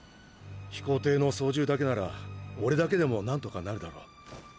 飛行艇の操縦だけなら俺だけでも何とかなるだろう。